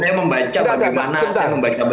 saya membaca bagaimana proses rkuhp